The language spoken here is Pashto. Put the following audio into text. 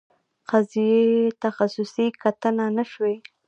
قضیې تخصصي کتنه نه شوې.